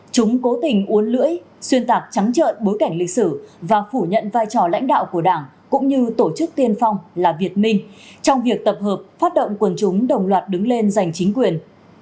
chúng cố tình uốn lưỡi xuyên tạc trắng trợn bối cảnh lịch sử và phủ nhận vai trò lãnh đạo của đảng cũng như tổ chức tiên phong là việt minh trong việc tập hợp phát động quần chúng đồng loạt đứng lên giành chính quyền